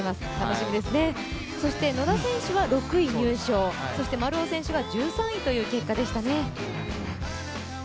野田選手は６位入賞、丸尾選手は１３位という結果でしたね。